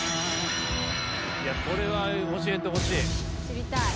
これは教えてほしい。